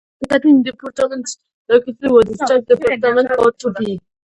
The cutting department is located where the stock department ought to be.